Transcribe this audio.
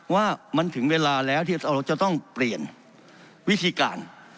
ว่ามันถึงเวลาแล้วที่เราจะต้องเปลี่ยนวิธีการ